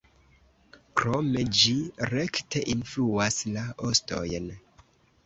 Krome ĝi rekte influas la ostojn.